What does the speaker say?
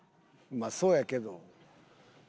まあそうやけど。